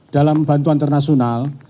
dalam bantuan internasional